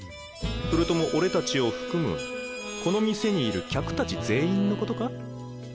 それとも俺たちを含むこの店にいる客たち全員のことか？